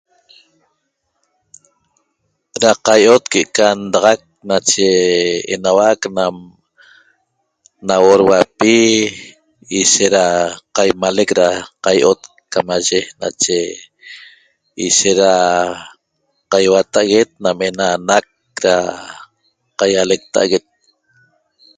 Ra qaio'ot que'eca ndaxac nache enauac nam nauorhuapi ishet ra qaiamalec ra qaio'ot camaye nache ishet ra qaiauta'aguet nam ena anac ra qaialecta'aguet